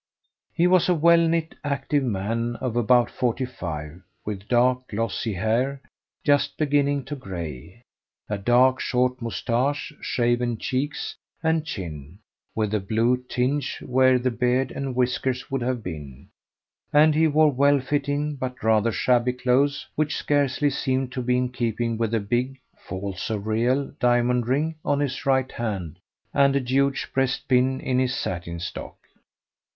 He was a well knit, active man of about forty five, with dark, glossy hair, just beginning to gray; a dark, short moustache; shaven cheeks and chin, with a blue tinge where the beard and whiskers would have been; and he wore well fitting but rather shabby clothes, which scarcely seemed to be in keeping with the big (false or real) diamond ring on his right hand and a huge breast pin in his satin stock.